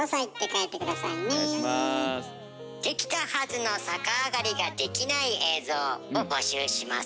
できたはずのさかあがりができない映像を募集します。